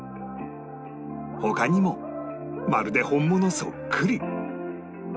他にもまるで本物そっくり